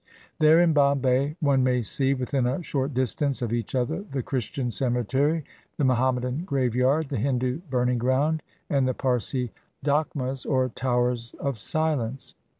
There in Bombay one may see, within a short distance of each other, the Christian cemetery, the Muhamma dan graveyard, the Hindu burning ground, and the Parsi Dakhmas, or Towers of Silence.